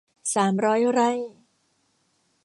สามร้อยไร่